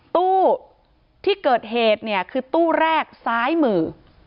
ตู้ที่เกิดเหตุเนี่ยคือตู้แรกซ้ายมือ